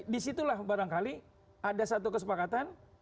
disitulah barangkali ada satu kesepakatan